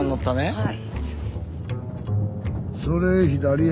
はい。